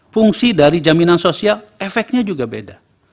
fungsi dari jaminan sosial efeknya juga beda